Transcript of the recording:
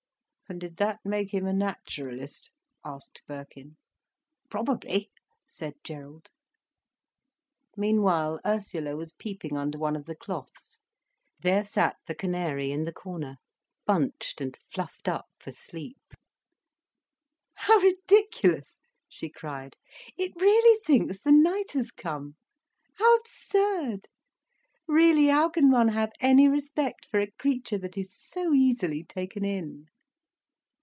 "And did that make him a naturalist?" asked Birkin. "Probably," said Gerald. Meanwhile Ursula was peeping under one of the cloths. There sat the canary in a corner, bunched and fluffed up for sleep. "How ridiculous!" she cried. "It really thinks the night has come! How absurd! Really, how can one have any respect for a creature that is so easily taken in!"